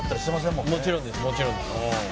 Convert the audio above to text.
もちろんですもちろんです。